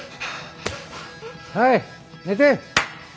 はい寝て。